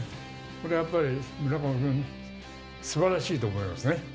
これはやっぱり、村上君、すばらしいと思いますね。